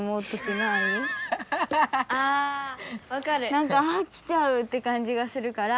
なんかあきちゃうって感じがするから。